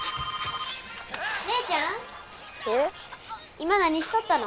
今何しとったの？